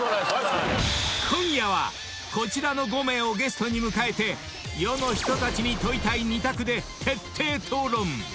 ［今夜はこちらの５名をゲストに迎えて世の人たちに問いたい２択で徹底討論！］